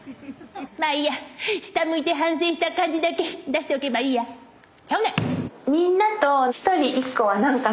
まあいいや下向いて反省した感じだけ出しておけばいいやちゃうねん。